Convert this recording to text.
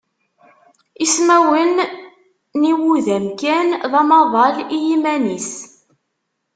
Ismawen n yiwudam kan d amaḍal i yiman-is.